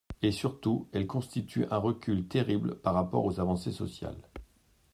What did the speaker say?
Et surtout, elle constitue un recul terrible par rapport aux avancées sociales.